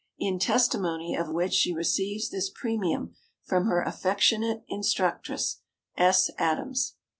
In testimony of which she receives this Premium from her affectionate instructress, S. Adams."